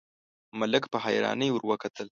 ملک په حيرانۍ ور وکتل: